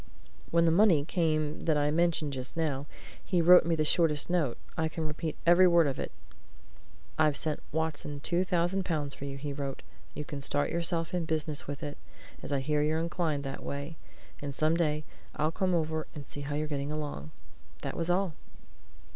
When the money came that I mentioned just now, he wrote me the shortest note I can repeat every word of it: 'I've sent Watson two thousand pounds for you,' he wrote. 'You can start yourself in business with it, as I hear you're inclined that way, and some day I'll come over and see how you're getting along.' That was all!"